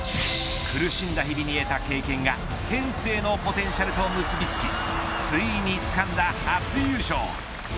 苦しんだ日々に得た経験が天性のポテンシャルと結び付きついにつかんだ初優勝。